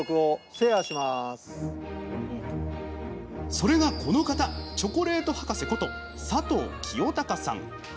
それがこの方チョコレート博士こと佐藤清隆さん。